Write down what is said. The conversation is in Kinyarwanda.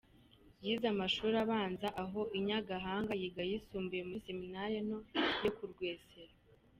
Yize amashuri abanza aho i Nyagahanga, yiga ayisumbuye muri seminari nto yo ku Rwesero.